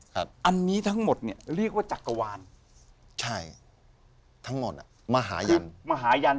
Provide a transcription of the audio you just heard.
ครับอันนี้ทั้งหมดเนี่ยเรียกว่าจักรวาลใช่ทั้งหมดอ่ะมหายันมหายัน